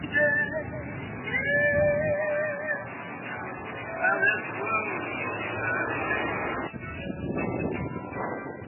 Highly recommended for conspiracy fans; unsuitable for historians and archaeologists.